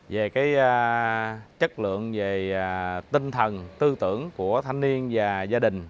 về chất lượng về tinh thần tư tưởng của thanh niên và gia đình